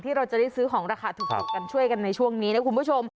เราจะได้ซื้อของราคาถูกกันช่วยกันในช่วงนี้นะคุณผู้ชม